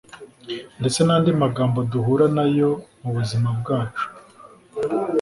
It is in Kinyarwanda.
ndetse n’andi magambo duhura na yo mu buzima bwacu